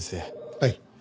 はい。